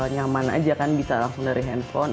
nyaman aja kan bisa langsung dari handphone